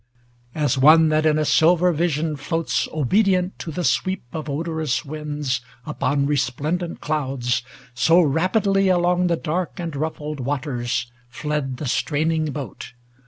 As one that in a silver vision floats Obedient to the sweep of odorous winds Upon resplendent clouds, so rapidly Along the dark and ruffled waters fled The straining boat.